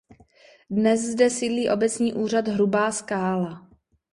Dnes zde sídlí obecní úřad Hrubá Skála.